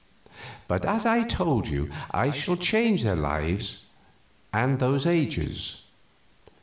But, as I told you, I shall change their lives and those ages.